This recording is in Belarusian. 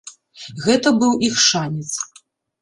Гэта быў іх шанец.